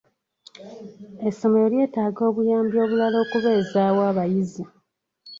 Essomero lyetaaga obuyambi obulala okubeezaawo abayizi.